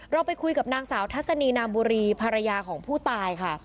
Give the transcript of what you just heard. เราไปคุยกับนางสาวทัศนีนามบุรีภรรยาของผู้ตายค่ะ